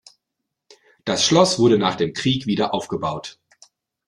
Das Schloss wurde nach dem Krieg wieder aufgebaut.